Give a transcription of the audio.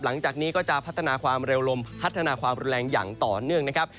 หลังจากนี้ก็จะพัฒนาความเร็วลมพัฒนาความรุนแรงอย่างต่อเนื่องนะครับ